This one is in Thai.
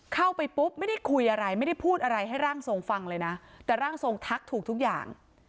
เข้าไปปุ๊บไม่ได้คุยอะไรไม่ได้พูดอะไรให้ร่างทรงฟังเลยนะแต่ร่างทรงทักถูกทุกอย่าง